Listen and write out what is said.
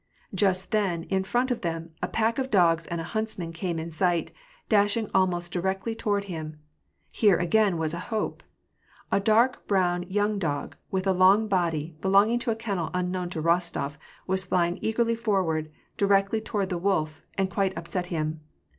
Just then, in front of them, a pack of dogs and a huntsman came in sight, dashing almost directly toward him. Here again was a hope. A dark brown young dog, with a long body, belonging to a kennel unknown to Eostof, was fly ing eagerly forward, directly toward the wolf, and quite upset him.